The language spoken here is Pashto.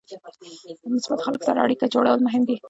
مثبتو خلکو سره اړیکه جوړول مهم دي.